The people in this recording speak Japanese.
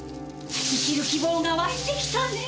生きる希望がわいてきたねぇ！